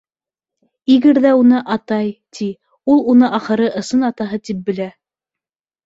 Игорь ҙә уны «атай» ти, ул уны, ахыры, ысын атаһы тип белә.